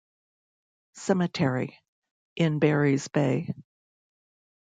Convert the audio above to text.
Cemetery, in Barry's Bay.